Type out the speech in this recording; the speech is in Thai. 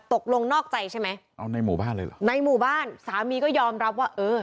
ตกลงนอกใจใช่ไหมเอาในหมู่บ้านเลยเหรอในหมู่บ้านสามีก็ยอมรับว่าเออ